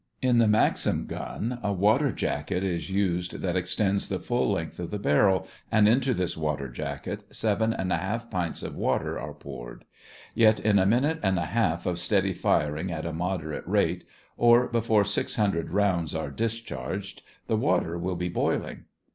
In the Maxim gun a water jacket is used that extends the full length of the barrel, and into this water jacket seven and a half pints of water are poured. Yet in a minute and a half of steady firing at a moderate rate, or before six hundred rounds are discharged, the water will be boiling.